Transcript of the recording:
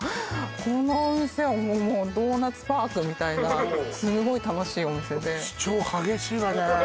この店はもうドーナツパークみたいなすごい楽しいお店で主張激しいわね